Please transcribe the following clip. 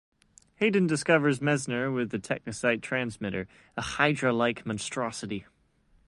Hayden discovers Mezner with the Technocyte transmitter, a Hydra-like monstrosity.